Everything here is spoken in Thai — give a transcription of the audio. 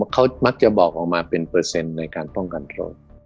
เขามักจะบอกออกมาเป็นเปอร์เซ็นต์ในการป้องกันโรค